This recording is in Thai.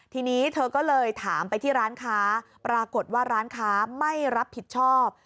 ทีนี้เธอก็เลยถามไปที่ร้านค้าปรากฏว่าร้านค้าไม่รับผิดชอบ